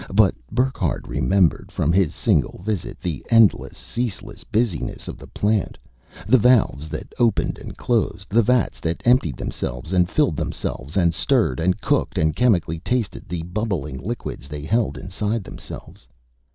But Burckhardt remembered, from his single visit, the endless, ceaseless busyness of the plant, the valves that opened and closed, the vats that emptied themselves and filled themselves and stirred and cooked and chemically tasted the bubbling liquids they held inside themselves.